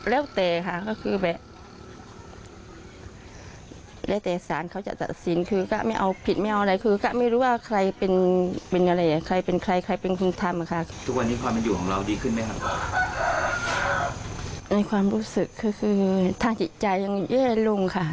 รู้สึกคือทางจิตใจยังแย่ลงค่ะ